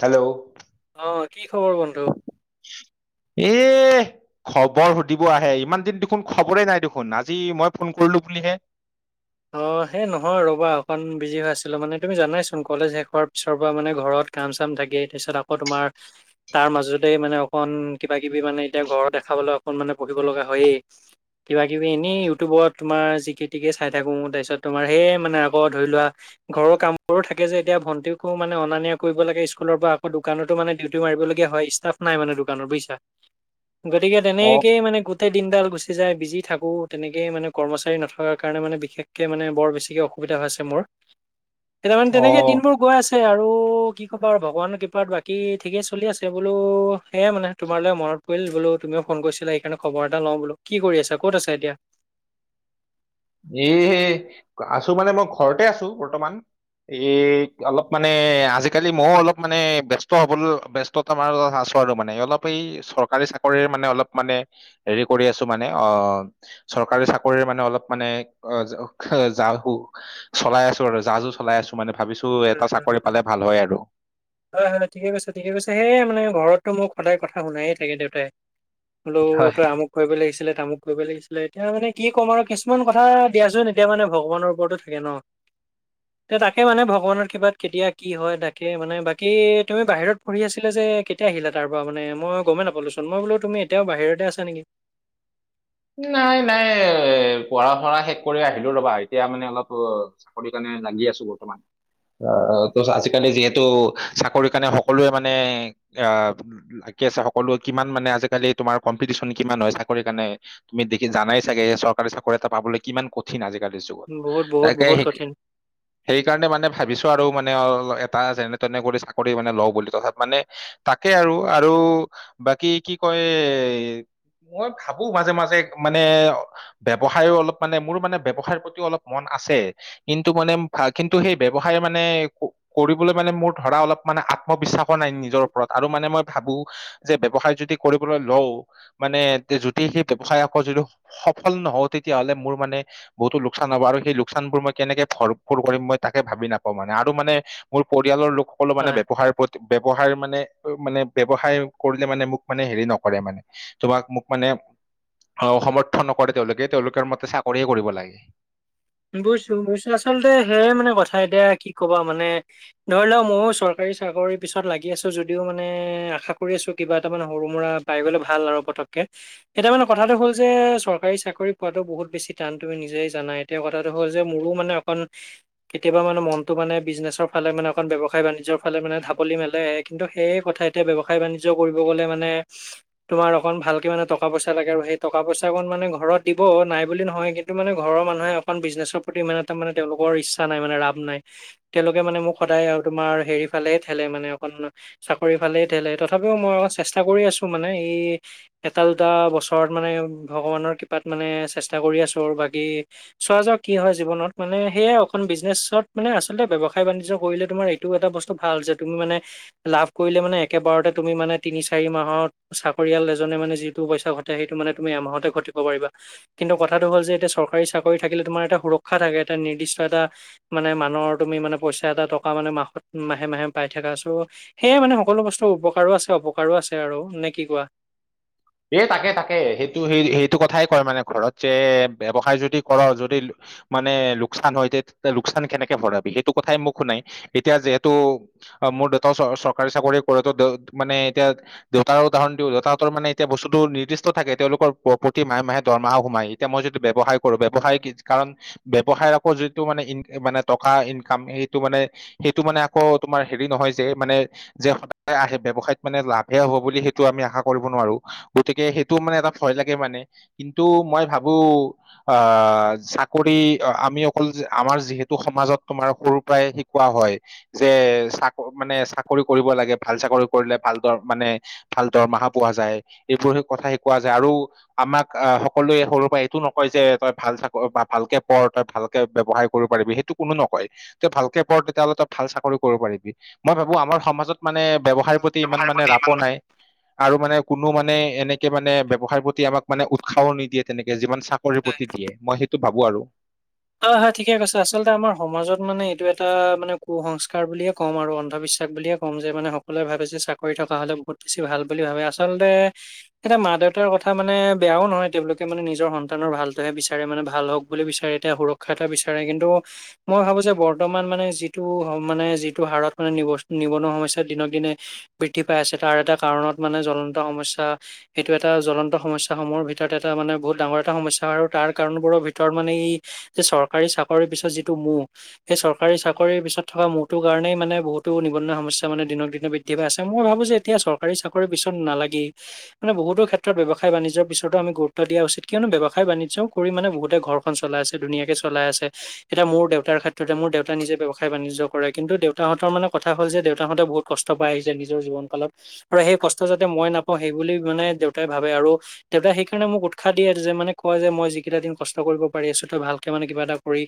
Hello অ', কি খবৰ বন্ধু? এই খবৰ সুধিব আহে ইমান দিন দেখোন খবৰে নাই দেখোন আজি মই ফোন কৰিলো বুলিহে। অ', সেই নহয় ৰ'বা অকণ বিজি হৈ আছিলোঁ মানে তুমি জানাইচোন কলেজ শেষ হোৱাৰ পিছৰ পৰা মানে ঘৰত কাম চাম থাকে তাৰপিছত আকৌ তোমাৰ তাৰ মাজতে মানে অকণ কিবা কিবি মানে এতিয়া ঘৰত দেখাবলৈ অকণ মানে পঢ়িব লগা হয়েই। কিবা কিবি এনেই ইউটিউবত তোমাৰ জিকে টিকে খাই থাকো তাৰপিছত তোমাৰ সেই মানে আকৌ ধৰি লোৱা ঘৰৰ কামবোৰো থাকে যে এতিয়া ভণ্টিকো মানে অনা নিয়া কৰিব লাগে স্কুলৰ পৰা আকৌ দোকানতো মানে মই মাৰিব লগীয়া হয় ইচট্টাভ নাই মানে দোকানত বুজা গতিকে অ তেনেকে মানে গোটেই দিনডাল গুচি যায় বিজি থাকোঁ তেনেকেই মানে কৰ্মচাৰী নথকা মানে বিশেষকে মানে বৰ বেছিকে অসুবিধা হৈছে মোৰ কেইটামান অ তেনেকে দিনবোৰ গৈ আছে আৰু কি ক'বা আৰু ভগৱানৰ কৃপাত বাকী ঠিকেই চলি আছে বোলো সেয়াই মানে তোমালৈ মনত কল বোলো তুমিও ফোন কৰিছিলা সেইকাৰণে খবৰ এটা লওঁ বলো কি কৰি আছে ক'ত আছে এতিয়া? এ আছোঁ মানে মই ঘৰতে আছো বৰ্তমান। এই অলপ মানে আজিকালি ময়ো অলপ মানে ব ব্যস্ত হ'বলৈ ব্যস্ত মাৰথা আছোঁ আৰু মানে অলপ এই চৰকাৰী চাকৰিৰ মানে অলপ মানে হেৰি কৰি আছোঁ মানে অ', চৰকাৰী চাকৰিৰ মানে অলপ মানে অ', জা চলাই আছোঁ আৰু জা জো চলাই আছো মানে ভাবিছোঁ। উম, উম। হয় হয় ঠিকে কৈছে, ঠিকে কৈছে, সেই মানে ঘৰতটো মোক সদায় কথা শুনায়ে থাকে দেউতাই। হয় হল' ত আমু কৰিব লাগিছিলে তামুক কৰিব লাগিছিলে এতিয়া মানে কি ক'ম আৰু কিছুমান কথা দিয়াচোন এতিয়া মানে ভগৱানৰ ওপৰতো থাকে ন। [inaudible] তে তাকে মানে ভ ভগৱানৰ কৃপাত কেতিয়া কি হয় ডাকে মানে বাকী তুমি বাহিৰত পঢ়ি আছিলা যে এতিয়া আহিলা তাৰ পৰা মানে মই গ'মেই নাপালোঁচোন মই বোলো তুমি এয়া বাহিৰতে আছ নেকি? নাই, নাই এ পঢ়া শু়া শেষ কৰি আহিলো ৰ'বা এতিয়া মানে অলপ চাকৰি কাৰণে লাগি আছো বৰ্তমান। আহ তো আজিকালি যিহেতু চাকৰি কাৰণে সকলোৱে মানে আহ লাকি আছে সকলোৱে কিমান মানে আজিকালি তোমাৰ কম্পিটিশন কিমান হয় চাকৰি কাৰণে তুমি দেখি জানাই চাগে যে চৰকাৰী চাকৰি এটা পাবলৈ কিমান কঠিন আজিকালিৰ যুগত বহুত বহুত তাককে বহুত কঠিন সেই সেইকাৰণে মানে ভাবিছো আৰু মানে অ', এটা যেনে তেনে কৰি চাকৰি মানে লওঁ বুলি তথ মানে তাকে আৰু আৰু বাকী কি কয় মই ভাবোঁ মাজে, মাজে মানে ব্যৱসায় অলপ মানে মোৰ মানে ব্যৱসায়ৰ প্ৰতিও অলপ মন আছে। কিন্তু মানে কিন্তু সেই ব্যৱসায় মানে কৰিবলৈ মানে মোৰ ধৰা অলপ মানে আত্মবিশ্বাসো নাই নিজৰ ওপৰত আৰু মানে মই ভাবোঁ যে ব্যৱসায় যদি কৰিবলৈ লওঁ, মানে যদি সেই ব্যৱসায় আকৌ যিটো সফল নহওঁ তেতিয়া হ'লে মোৰ মানে বহুতো লোকচান হব, আৰু সেই লোকচানবোৰ মই কেনেকে ভৰফৰ কৰিম মই তাকে ভাবি নাপাওঁ মানে, আৰু মানে মোৰ পৰিয়ালৰ লোকসকলো মানে হয়। ব্যৱসায় উপৰত ব্যৱসায়ৰ মানে মানে ব্যৱসায় কৰিলে মানে মোক মানে হেৰি নকৰে মানে তোমাক মোক মানে অ সমৰ্থন নকৰে তেওঁলোকে, তেওঁলোকৰ মতে চাকৰিয়ে কৰিব লাগে। বুইছো বুইছো, আচলতে সেয়ে মানে কথা এতিয়া কি কবা মানে ধৰি লওক ময়ো চৰকাৰী চাকৰিৰ পিছত লাগি আছো যদিও মানে আশা কৰি আছো কিবা এটা মানে সৰু মুৰা পাই গলে ভাল আৰু পতককে। এতিয়া মানে কথাটো হল যে চৰকাৰী চাকৰি পোৱাতো বহুত বেছি টান তুমি নিজেই জানাই। এতিয়া কথাটো হ'ল যে মোৰো মানে অকন কেতিয়াবা মানে মনটো মানে বিজনেছৰ ফালে মানে অকণ ব্যৱসায় বাণিজ্যৰ ফালে মানে ধাপলি মেলে এক কিন্তু সেয়ে কথা এতিয়া ব্যৱসায় বাণিজ্য কৰিব গ'লে মানে তোমাৰ অকন ভালকে মানে টকা পইচা লাগে আৰু সেই টকা পইচা অকণ মানে ঘৰত দিব নাই বুলি নহয় কিন্ টো মানে ঘৰৰ মানুহে অকণ বিজনেছৰ প্ৰতি ইমান এটা মানে তেওঁলোকৰ ইচ্ছা নাই মানে ৰাপ নাই। তেওঁলোকে মানে মোক সদায় আৰু তোমাৰ হেৰি ফালে থেলে মানে অকণ চাকৰি ফালেই থেলে তথাপিও মই অলপ চেষ্টা কৰি আছো মানে ই এটা দুটা বছৰত মানে ভগৱানৰ কৃপাত মানে চেষ্টা কৰি আছো আৰু বাকী চোৱা যাওঁক কি হয় জীৱনত, মানে সেয়ে এখন বিজনেছত মানে আচলতে ব্যৱসায় বাণিজ্য কৰিলে তোমাৰ এইটো এটা বস্তু ভাল যে তুমি মানে লাভ কৰিলে মানে একেবাৰতে তুমি মানে তিনি চাৰি মাহত চাকৰিয়াল এজনে মানে যিটো পইচা ঘটে সেইটো মানে তুমি এমাহতে ঘটিব পাৰিবা। কিন্তু কথাটো হ'ল যে এতিয়া চৰকাৰী চাকৰি থাকিলে তোমাৰ এটা সুৰক্ষা থাকে এটা নিৰ্দিষ্ট এটা মানে মানুহৰ তুমি মানে পইচা এটা টকা মানে মাহত মাহে মাহে পাই থাকা ছ সেয়ে মানে সকলো বস্তু উপকাৰো আছে অপকাৰো আছে আৰু। নে কি কোৱা? এ তাকে তাকে সেইটো সেই সেইটো কথাই কয় মানে ঘৰত যে ব্যৱসায় যদি কৰ যদি মানে লোকচান হয় তে লোকচান কেনেকে ভৰাবি? সেইটো কথাই মোক শুনাই এতিয়া যিহেতু অ মোৰ দেউতাও চৰকাৰী চাকৰি কৰে ত মানে এতিয়া দেউতাৰ উদাহৰণ দি দেউতা হঁতৰ মানে এতিয়া বস্তুটো নিৰ্দিষ্ট থাকে তেওঁলোকৰ প্ৰতি মাহে মাহে দৰমাহ সোমায়, এতিয়া মই যদি ব্যৱসায় কৰোঁ ব্যৱসায় কাৰণ ব্যৱসায় আকৌ যিটো মানে মানে টকা ইনকাম সেইটো মানে সেইটো মানে আকৌ তোমাৰ হেৰি নহয় যে মানে যে সদায় আহে ব্যৱসায়ত মানে লাভে হ'ব বুলি সেইটো আমি আশা কৰিব নোৱাৰো। গতিকে সেইটো মানে এটা ভয় লাগে মানে, কিন্তু মই ভাবো আহ চাকৰি আমি অকল আমাৰ যিহেতু সমাজত তোমাৰ সৰুৰ পৰাই শিকোৱা হয় যে চাক মানে চাকৰি কৰিব লাগে ভাল চাকৰি কৰিলে ভাল দৰ মানে ভাল দৰমহা পোৱা যায় এইবোৰ সেই কথা শিকোৱা যায় আৰু আমাক সকলোৱে সৰুৰ পৰা এইটো নকয় যে তই ভাল চাক বা ভালকে পঢ় তই ভালকে ব্যৱসায় কৰিব পাৰিবি সি তো কোনো নকয় ত ভালকে পঢ তেতিয়া হ'লে তই ভাল চাকৰি কৰিব পাৰিবি, মই ভাবো আমাৰ সমাজত মানে ব্যৱসায়ৰ প্ৰতি ইমান মানে ৰাপ নাই, আৰু মানে কোনো মানে এনেকে মানে ব্যৱসাৰ প্ৰতি আমাক মানে উৎসাহ নিদিয়ে তেনেকে যিমান চাক কৰি হয় পতি দিয়ে মই সেইটো ভাবো আৰু। হয় হয় ঠিকে কৈছা, আচলতে আমাৰ সমাজত মানে এইটো এটা মানে কু সংস্কাৰ বুলিয়ে ক'ম আৰু অন্ধবিশ্বাস বুলিয়ে ক'ম যে মানে সকলোৱে ভাবে যে চাকৰি থকা হলে বহুত বেছি ভাল বুলি ভাবে আচলতে এটা মা দেউতাৰ কথা মানে বেয়াও নহয় তেওঁলোকে মানে নিজৰ সন্তানৰ ভালটোহে বিচাৰে মানে ভাল হওক বুলি বিচাৰে। এতিয়া সুৰক্ষা এটা বিচাৰে কিন্তু অঁ অৱশ্যে বৰ্তমান মানে যিটো মানে যিটো হাৰত মানে নিব নিবনুৱা সমস্যা দিনক দিনে বৃদ্ধি পাই আছে। তাৰ এটা কাৰণত মানে জ্বলন্ত সমস্যা এইটো এটা জ্বলন্ত সমস্যা সমূহৰ ভিতৰত এটা মানে বহুত ডাঙৰ এটা সমস্যা আৰু তাৰ কাৰণবোৰৰ ভিতৰত মানে ই যে চৰকাৰী চাকৰিৰ পিছত যিটো মোহ এই চৰকাৰী চাকৰিৰ পিছত থকা মোহটোৰ কাৰণেই মানে বহুতো নিৱনুৱা সমস্যা মানে দিনক দিনে বৃদ্‌ দ্ধি পাইছে। মই ভাৱিছোঁ এতিয়া চৰকাৰী চাকৰিৰ পিছত নালাগি মানে বহুতো ক্ষেত্ৰত ব্যয়সায়- বাণিজ্যৰ পিছতো আমি গুৰুত্ব দিয়া উচিত। কিয়নো ব্যয়সায়- বাণিজ্যও কৰি মানে বহুতে ঘৰখন চ চলাইছে, ধুনীয়াকে চলাই আছে। এতিয়া মোৰ দেউতাৰ ক্ষেত্ৰতে মোৰ দেউতা নিজে ব্যৱসায় -বাণিজ্য কৰে কিন্তু দেউতাহঁতৰ মানে কথা হ'ল যে দেউতাহঁতে বহুত কষ্টপাই আহিছে নিজৰ জীৱন কালত। আৰু সেই কষ্ট যাতে মই নাপাওঁ সেই বুলি মানে দেউতাই ভাৱে আৰু দেউতাই সেইকাৰণে মোক উৎসাহ দিয়ে যে মানে, কয় যে মই যিকেইটা দিন কষ্ট কৰিব পাৰি আছ তই ভালকে মানে কিবা এটা কৰি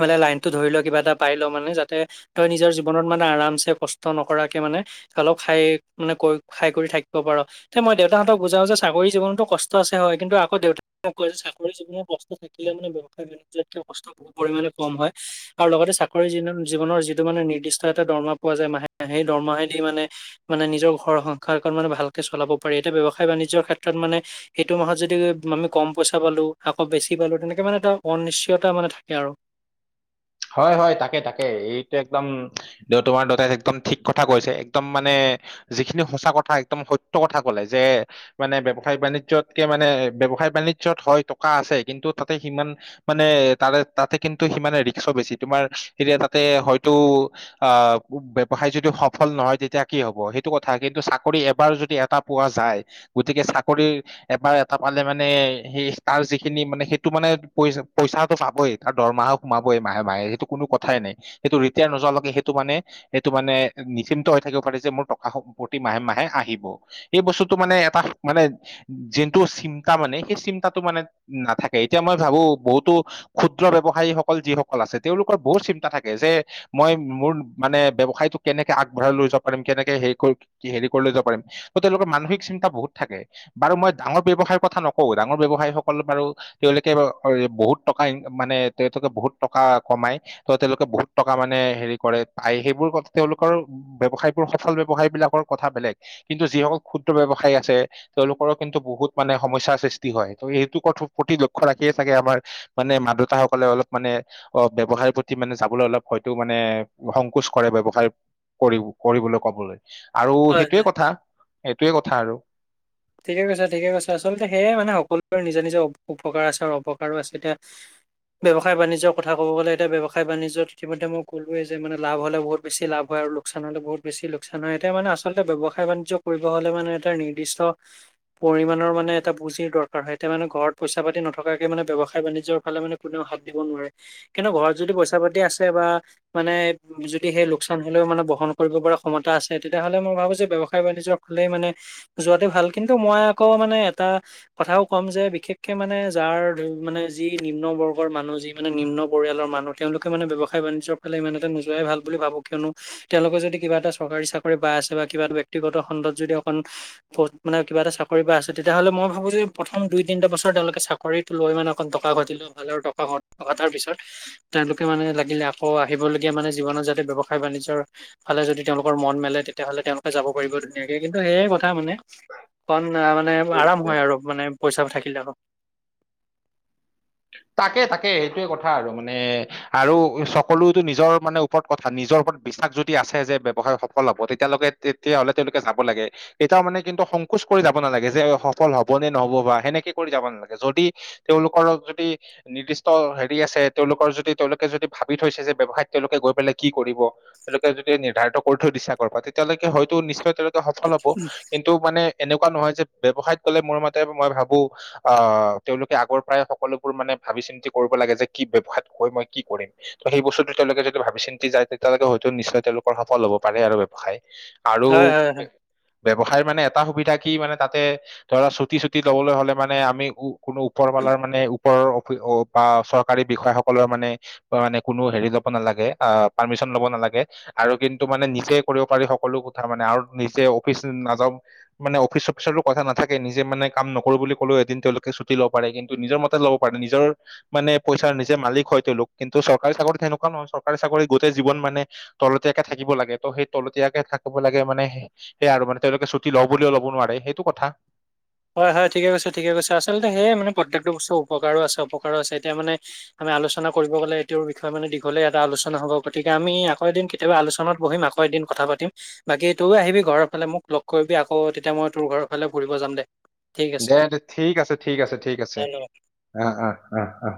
মানে, লাইনটো ধৰি ল', কিবা এটা পাই ল' মানে যাতে তই নিজৰ জীৱনত মানে আৰামচে কষ্ট নকৰাকে মানে অলপ খাইক্‌ মানে কইক্‌ মানে খাই কৰি থাকিব পাৰ। তে মই দেউতাহঁতক বুজাও যে চাকৰি জীৱনতো কষ্ট আছে হয় কিন্তু আকৌ দেউতাই মোক কয় যে চাকৰি জীৱনৰ কষ্ট ষ্ট থাকিলেও মানে ব্যৱসায়- বাণিজ্যত্‌কে কষ্ট বহু পৰিমাণে কম হয়। আৰু লগতে চাকৰি জীনন--জীৱনৰ যিটো মানে নিৰ্দিষ্ট এটা দৰমা পোৱা যায় মাহে মাহে সেই দৰমহায়দি মানে মানে নিজৰ ঘৰ সংসাৰখন মানে ভালকে চলাব পাৰি। এতিয়া ব্যৱসায়-বাণিজ্যৰ ক্ষেত্ৰত মানে সেইটো মাহত যদি আমি মাহে কম পইচা পালোঁ আকৌ বেছি বেছি পালোঁ। তেনেকে মানে এটা অনিশ্চয়তা মানে থাকে আৰু। হয়, হয়। তাকে, তাকে এইটো একদম দেউ তোমাৰ দেউতাই একদম ঠিক কথা কৈছে। একদম মানে যিখিনি সঁচা কথা একদম সত্য কথা ক'লে যে মানে ব্যৱসায় -বাণিজ্যত্‌কে মানে, ব্যৱসায়- বাণিজ্যত হয় টকা আছে কিন্তু তাতে সিমান মানে তাৰে তাতে কিন্তু সিমানে ৰিক্সো বেছি। তোমাৰ এতিয়া তাতে হয়তো আঁ ব্যৱসায় যদি সফল নহয় তেতিয়া কি হ'ব। সেইটো কথা কিন্তু চাকৰি এবাৰ যদি এটা পোৱা যায়, গতিকে চাকৰিৰ এবাৰ এটা পালে মানে সেই-সেই তাৰ যিখিনি মানে সেইটো মানে পইচ্‌ পইচাটো পাবই। তাৰ দৰমহাও সোমাব্‌ বই মাহে মাহে সেইটো কোনো কথাই নাই। সেইটো ৰিটায়াৰ নোযোৱালৈকে সেইটো মানে সেইটো মানে নিশ্চিত হৈ থাকিব পাৰে যে মোৰ টকা প্ৰতি মাহে মাহে আহিব। এই বস্তুটো মানে এটা মানে যিটো চিন্তা মানে সেই চিন্তাটো মানে নাথাকে। এতিয়া মই ভাৱো বহুতো ক্ষুদ্ৰ ব্যৱসায়ীসকল যিসকল আছে তেওঁলোকৰ বহুত চিন্তা থাকে যে মই মোৰ মানে ব্যৱসায়টোক কেনেকে আগবঢ়াই লৈ যাব পাৰিম, কেনেকে হেৰি কৰি -হেৰি কৰি লৈ যাব পাৰিম। ত' তেওঁলোকৰ মানসিক চিন্তা বহুত থাকে। বাৰু মই ডাঙৰ ব্যৱসায়ৰ কথা নকওঁ, ডাঙৰ ব্যৱসায়ীসকল বাৰু তেওঁলোকে ব্‌ বহুত টকা ইন্‌ মানে তোকে বহুত টকা কমাই। ত' তেওঁলোকে বহুত টকা মানে হেৰি কৰে, পায় সেইবোৰ কথা তেওঁলোকৰ ব্যৱসায়বোৰ, সফল ব্যৱসায় বিলাকৰ কথা বেলেগ কিন্তু যিসকল ক্ষুদ্ৰ ব্যৱসায় আছে তেওঁলোকৰো কিন্তু বহুত মানে সমস্যাৰ সৃষ্টি হয়। ত' এইটো কথো প্ৰতি লক্ষ্য ৰাখিয়ে চাগে আমাৰ মানে মা-দেউতাসকলে অলপ মানে অঁ- ব্যৱসায়ৰ প্ৰতি মানে যাবলৈ অলপ হয়তো মানে সংকোচ কৰে। ব্যৱসায় কৰিব কৰিবলৈ ক'বলৈ আৰু হয়, সেইটোৱে হয়। কথা, সেইটোৱে কথা আৰু। ঠিকে কৈছে, ঠিকে কৈছে আচলতে সেয়ে মানে সকলোৰে নিজৰ নিজৰ উপ্‌ উপকাৰ আছে আৰু অপকাৰো আছে। এতিয়া ব্যৱসায় -বাণিজ্য কথা ক'ব গ'লে এতিয়া ব্যৱসায় -বাণিজ্যত ইতিমধ্যে মই কলোৱে যে মানে লাভ হ'লে বহুত বেছি লাভ হয় আৰু লোক্‌ লোকচান হ'লে বহুত বেছি লোকচান হয়। এতিয়া মানে আচলতে ব্যৱসায়- বাণিজ্য কৰিব হ'লে মানে এটা নিৰ্দিষ্ট [unintelligible] পৰিমাণৰ মানে এটা বুজিৰ দৰকাৰ হয় এতিয়া মানে ঘৰত পইচা পাতি নথকাকে মানে ব ব্যৱসায় বাণিজ্যৰ ফালে মানে কোনেও হাত দিব নোৱাৰে কিন্তু ঘৰত যদি পইচা পাতি আছে বা মানে যদি সেই লোকচান হ'লেও মানে বহন কৰিব পৰা ক্ষমা আছে তেতিয়াাহ'লে মই ভাবোঁ যে ব ব্যৱসায় বাণিজ্যৰ হ'লেই মানে যোৱাতটো ভাল কিন্তু মই আকৌ মানে এটা কথাও ক'ম যে বিশেষকে মানে যাৰ মানে যি নিম্ন বৰ্গৰ মানুহ যি মানে নিম্ন পৰিয়ালৰ মানুহ তেওঁলোকে মানে ব্যৱসায় বাণিজ্যৰ ফালে ইমান এটা নোযোৱাই ভাল বুলি ভাব কিয়নো তেওঁলোকে যদি কিবা এটা চৰকাৰী চাকৰি পাই আছে বা কিবা এটা ব্যক্তিগত খণ্ডত যদি অকন মানে কিবা এটা চাকৰি বা আছে তেতিয়াহ'লে মই ভাবোঁ যে প্ৰথম দুই তিনিটা বছৰ তেওঁলোকে চাকৰিটো লৈ মানে অকণ টকা ঘটিলক ভালৰ টকা কা তাৰ পিছত তেওঁলোকে মানে লাগিলে আকৌ আহিবলগীয়া মানে জীৱনত যাতে ব্যৱসায় বাণিজ্যৰ ফালে যদি তেওঁলোকৰ মন মেলে তেতিয়য়াহ'লে তেওঁলোকে যাব পাৰিব ধুনীয়াকে কিন্তু সেয়ে কথা মানে অন মানে আৰাম হয় আৰু মানে পইচা থাকিলে আৰু তাকে তাকে সেইটোৱে কথা আৰু মানে আৰু সকলোতো নিজৰ মানে ওপৰত কথা নিজৰ ওপৰত বিশ্বাস যদি আছে যে ব্যৱসায়ীসকলে হ'ব তেতিয়ালৈকে তেতিয়া হলে তেওঁলোকে যাব লাগে তেতিয়াও মানে কিন্তু সংকোচ কৰি যাব নালাগে যে সফল হব নে নহব বা সেনেকে কৰি যাব নালাগে যদি তেওঁলোকৰ যদি নিৰ্দিষ্ট হেৰি আছে তেওঁলোকৰ যদি তেওঁলোকে যদি ভাবি থৈছে যে ব্যৱসায়ত তেওঁলোকে গৈ পেলাই কি কৰিব তেওঁলোকে যদি নিৰ্ধাৰিত কৰি থৈ দিছা কৰা তেতিয়ালৈকে হয়তো নিশ্চয় তেওঁলোকে সফল হব কিন্তু এইটো মানে এনেকুৱা নহয় ব্যৱসায়ত গ'লে মোৰ মতে মই ভাবো আহ তেওঁলোকে আগৰ পৰাই সকলোবোৰ মানে ভাবি চিন্তি কৰিব লাগে যে কি ব্যয়ৱসায়ত কৈ মই কি কৰিম ত সেই বস্তুতটো তেওঁলোকে যদি ভাবি চিন্তি যায় তেতিয়ালৈকে হয়তো নিশ্চয় তেওঁলোকৰ সফল হব পাৰে আৰু ব্যয়ৱসায় আৰু হয় হয় হয়। উ ব্যৱসায় মানে এটা সুবিধা কি মানে তাতে ধৰা চুটি চুটি লবলৈ হলে মানে আমি উ কোনো ওপৰবালাৰ মানে ওপৰৰ অফ বা চৰকাৰী বিষয়াসকলৰ মানে মানে কোনো হেৰি লব নালাগে অ পাৰ্মিচন লব নালাগে আৰু কিন্তু মানে নিজে কৰিব পাৰি সকলো কথা মানে আৰু নিজে অফিচ নাযাওঁ মানে অফিচ চফিচৰো কথা নাথাকে নিজ মানে কাম নকৰো বুলি কলেও এদ তেওঁলোকে ছুটি লব পাৰে কিন্তু নিজৰ মতে ল'ব নিজৰ মানে পইচাৰ নিজে মালিক হয় তেওঁলোক কিন্তু চৰকাৰী চাকৰিত তেনেকুৱা নহয় চৰকাৰী চাকৰিত গোটেই জীৱন মানে তলতীয়াকে থাকিব লাগে ত' সেই তলতীয়াকে থাকিব লাগে মানে সেইয়া আৰু মানে তেওঁলোকে ছুট লওঁ বুলিও ল'ব নোৱাৰে সেইটো কথা হয় হয় ঠিকে কছে ঠিক কৈছে আচলতে সেয়ে মানে প্ৰত্যেকটো বস্তু উপকাৰো আছে অ উপকাৰো আছে এতিয়া মানে আমি আলোচনা কৰিব গলে এইটোৰ বিষয়ে মান দীঘলে এটা আলোচনা হব গতিকে আমি আক এদিন কেতিয়াবা আলোচনাত বহিম আকৌ ক এদিন কথা পাতিম বাকী তইও আহিবি ঘৰৰ ফালে মোক লগ কৰিবি আকৌ তেতিয়া মই তোৰ ঘৰৰ ফালে ঘূৰিব যাম দে ঠিক আছে দে দে ঠিক আছে ঠিক আছে ঠিক আছে ধন্যবাদ অ অ অ অ